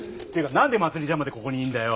なんでまつりちゃんまでここにいるんだよ！